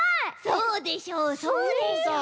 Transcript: そうでしょうそうでしょう！